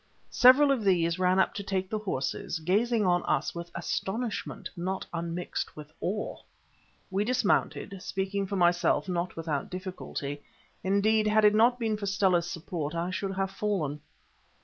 Several of these ran up to take the horses, gazing on us with astonishment, not unmixed with awe. We dismounted—speaking for myself, not without difficulty—indeed, had it not been for Stella's support I should have fallen.